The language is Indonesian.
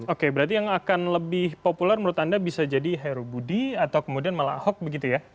oke berarti yang akan lebih populer menurut anda bisa jadi heru budi atau kemudian malah ahok begitu ya